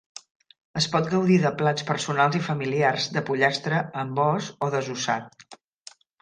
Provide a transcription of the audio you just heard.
Es pot gaudir de plats personals i familiars de pollastre amb os o desossat.